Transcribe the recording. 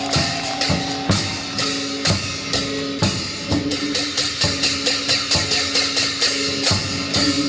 สวัสดีสวัสดี